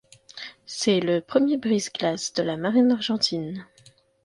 C'est le premier brise-glace de la marine argentine.